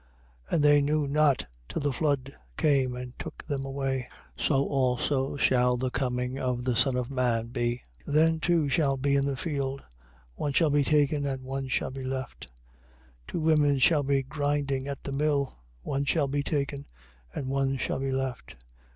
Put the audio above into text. And they knew not till the flood came and took them all away: so also shall the coming of the Son of man be. 24:40. Then two shall be in the field. One shall be taken and one shall be left. 24:41. Two women shall be grinding at the mill. One shall be taken and one shall be left.